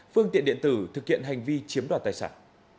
phương tiện điện tử thực hiện hành vi chiếm đoạt tài sản